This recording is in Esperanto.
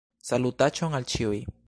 Salutaĉon al ĉiuj